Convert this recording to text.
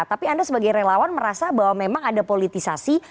tapi anda sebagai relawan merasa bahwa memang ada politisasi